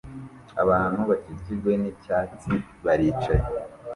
Abantu bakikijwe nicyatsi baricaye